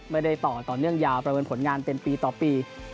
ไม่ได้ต่อต่อเนื่องยาวประเมินผลงานเป็นปีต่อปี